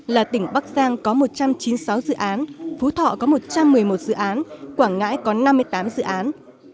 là tỉnh bắc giang có một trăm chín mươi sáu dự án phú thọ có một trăm một mươi một dự án quảng ngãi có năm mươi tám dự án